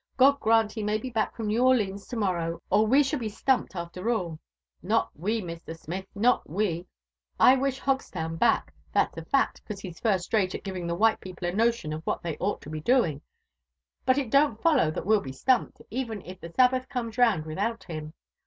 God grant he may be back from New Orlines to*morrow, or we Shall be stQHipl after all." "Not we, Mr. Smith, not we. I wish Hogstown back, that's a fad, 'cause lie's first rate at giving the white people a notion of what they ou^t to be doing; but it don't follow that well be sfampt, even if the Sabbath comes round without him.